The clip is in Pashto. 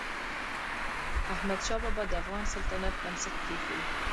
احمدشاه بابا د افغان سلطنت بنسټ کېښود.